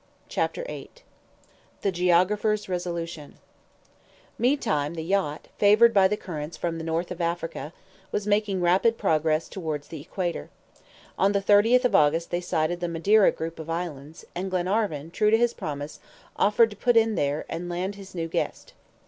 CHAPTER VIII THE GEOGRAPHER'S RESOLUTION MEANTIME the yacht, favored by the currents from the north of Africa, was making rapid progress toward the equator. On the 30th of August they sighted the Madeira group of islands, and Glenarvan, true to his promise, offered to put in there, and land his new guest.